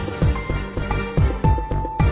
กินโทษส่องแล้วอย่างนี้ก็ได้